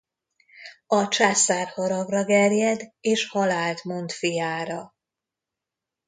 A császár haragra gerjed és halált mond fiára.